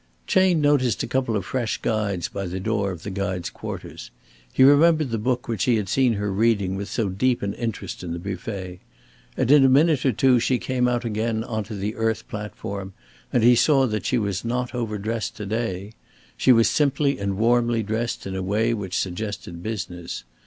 Chayne noticed a couple of fresh guides by the door of the guides' quarters. He remembered the book which he had seen her reading with so deep an interest in the buffet. And in a minute or two she came out again on to the earth platform and he saw that she was not overdressed to day. She was simply and warmly dressed in a way which suggested business.